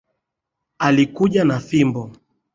Alikuja na fimbo